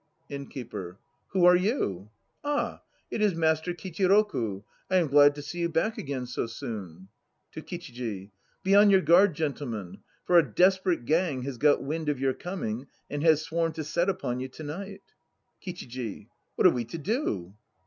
INNKEEPER. Who are you? Ah! it is Master Kichiroku. I am glad to see you back again so soon. (To KICHIJI.) Be on your guard, gentleman. For a desperate gang has got wind of your coming and has sworn to set upon you to night. KICHIJI. What are we to do?